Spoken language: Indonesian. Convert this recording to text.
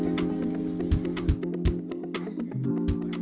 dengan tekad yang kuat